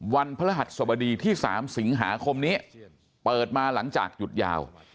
พระหัสสบดีที่๓สิงหาคมนี้เปิดมาหลังจากหยุดยาว